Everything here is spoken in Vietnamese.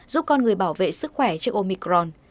giúp con người bảo vệ sức khỏe trước omicron